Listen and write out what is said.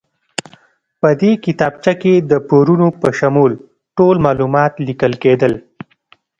په دې کتابچه کې د پورونو په شمول ټول معلومات لیکل کېدل.